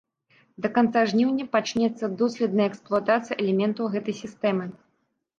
Да канца жніўня пачнецца доследная эксплуатацыя элементаў гэтай сістэмы.